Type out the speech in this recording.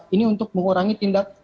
ini untuk mengurangi tindak